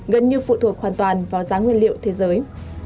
gần như phụ thuộc hoàn toàn vào giá nguyên liệu thế giới